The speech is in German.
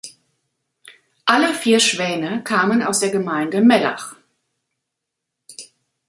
Alle vier Schwäne kamen aus der Gemeinde Mellach.